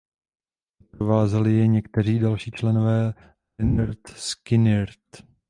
Doprovázeli je někteří další členové Lynyrd Skynyrd.